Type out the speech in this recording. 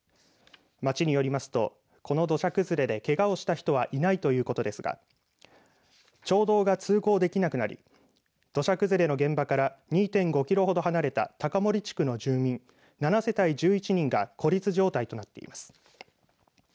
町によりますと、この土砂崩れでけがをした人はいないということですが町道が通行できなくなり土砂崩れの現場から２．５キロほど離れた高森地区の住民７世帯１１人が孤立状態となっています。